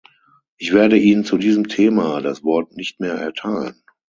Ich werde Ihnen zu diesem Thema das Wort nicht mehr erteilen.